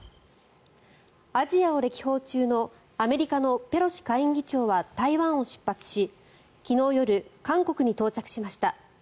アジアを歴訪中のアメリカのペロシ下院議長は台湾を出発し昨日夜、韓国に到着しました。